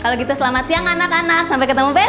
kalau gitu selamat siang anak anak sampai ketemu besok